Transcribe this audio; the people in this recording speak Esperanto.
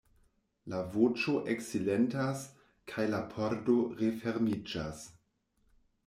La voĉo eksilentas kaj la pordo refermiĝas.